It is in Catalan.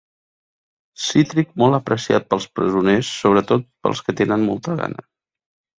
Cítric molt apreciat pels presoners, sobretot pels que tenen molta gana.